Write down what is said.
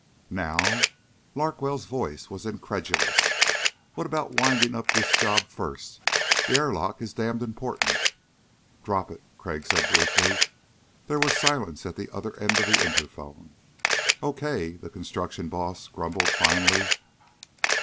"Now?" Larkwell's voice was incredulous. "What about winding up this job first? The airlock is damned important." "Drop it," Crag said briefly. There was silence at the other end of the interphone. "Okay," the construction boss grumbled finally.